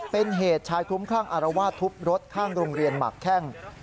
เป็นเหตุชายคลุ้มคลั่งอารวาสทุบรถข้างโรงเรียนหมากแข้ง